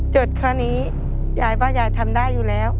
จดข้อนี้ยายว่ายายทำได้อยู่แล้ว